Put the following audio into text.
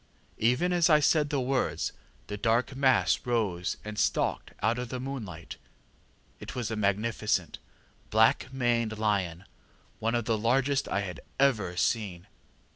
ŌĆ£Even as I said the words, the dark mass rose and stalked out into the moonlight. It was a magnificent, black maned lion, one of the largest I had ever seen.